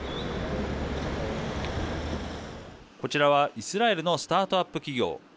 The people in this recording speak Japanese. こちらはイスラエルのスタートアップ企業。